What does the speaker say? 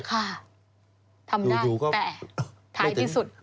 ค่ะทำได้แต่ท้ายที่สุด